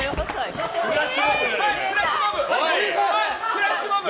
フラッシュモブ！